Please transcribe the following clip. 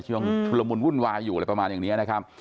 เวียงทุรมุนวุ่นวายอยู่อะไรประมาณแบบนี้